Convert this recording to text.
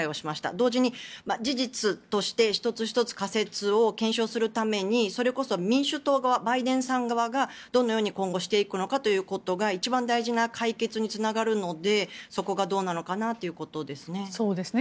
同時に事実として１つ１つ仮説を検証するために民主党側バイデンさん側がどのように今後していくのかということが一番大事な解決につながるのでそこがどうなのかなということですね。